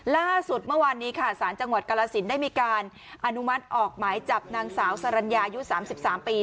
ล่าสุดเมื่อวานนี้ค่ะสารจังหวัดกรสินได้มีการอนุมัติออกหมายจับนางสาวสรรญายุ๓๓ปี